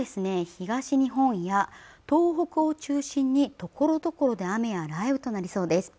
東日本や東北を中心にところどころで雨や雷雨となりそうです